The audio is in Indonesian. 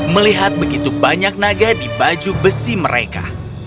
melihat begitu banyak naga di baju besi mereka